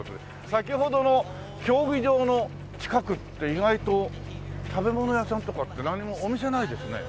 先ほどの競技場の近くって意外と食べ物屋さんとかって何もお店ないですね。